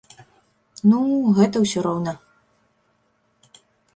Ну, гэта ўсё роўна.